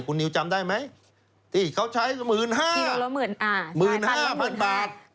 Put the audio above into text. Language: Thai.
คุณนิวจำได้ไหมที่เขาใช้๑๕๐๐๐บาท